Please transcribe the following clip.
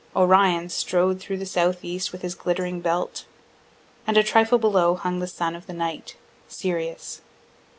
Orion strode through the southeast, with his glittering belt and a trifle below hung the sun of the night, Sirius.